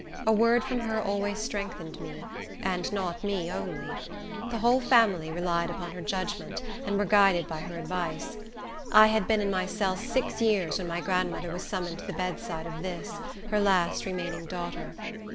A word from her always strengthened me; and not me only. The whole family relied upon her judgement, and were guided by her advice. I had been in my cell six years when my grandmother was summoned to the bedside of this, her last remaining daughter.